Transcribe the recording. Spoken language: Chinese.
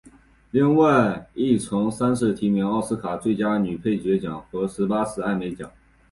另外亦曾三次提名奥斯卡最佳女配角奖和十八次艾美奖。